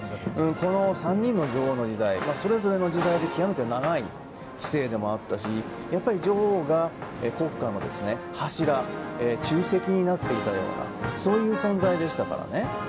この３人の女王の時代それぞれの時代で極めて長い治世でもあったし女王が国家の柱柱石になっていたようなそういう存在でしたからね。